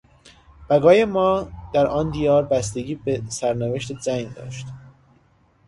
بقای ما در آن دیار بستگی به سرنوشت جنگ داشت.